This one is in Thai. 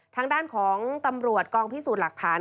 ทางด้านของตำรวจกองพิสูจน์หลักฐาน